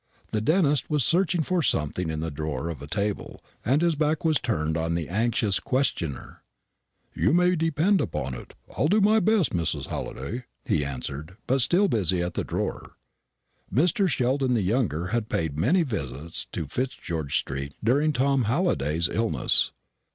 The dentist was searching for something in the drawer of a table, and his back was turned on the anxious questioner. "You may depend upon it, I'll do my best, Mrs. Halliday," he answered, still busy at the drawer. Mr. Sheldon the younger had paid many visits to Fitzgeorge street during Tom Halliday's illness.